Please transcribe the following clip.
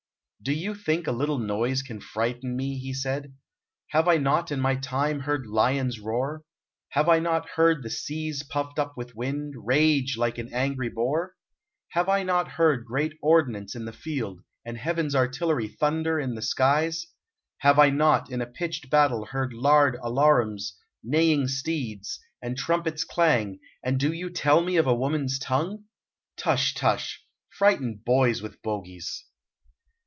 "Do you think a little noise can frighten me?" he said. "Have I not in my time heard lions roar? Have I not heard the seas puffed up with wind, rage like an angry boar? Have I not heard great ordnance in the field, and heaven's artillery thunder in the skies? Have I not in a pitched battle heard loud alarums, neighing steeds, and trumpets clang, and do you tell me of a woman's tongue? Tush, tush! Frighten boys with bogies!"